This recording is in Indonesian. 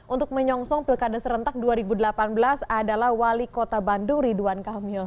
untuk menyongsong pilkada serentak dua ribu delapan belas adalah wali kota bandung ridwan kamil